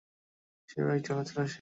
যে বাইক চালাচ্ছিল সে?